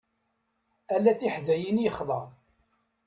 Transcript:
Ala tiḥdayin i yexḍa.